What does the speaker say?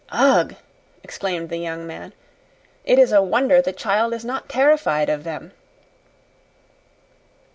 "Ugh!" exclaimed the young man. "It is a wonder the child is not terrified of them."